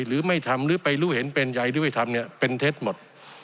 หรือไม่ทำหรือไปรู้เห็นเป็นใยหรือไม่ทำเนี่ยเป็นเท็จหมด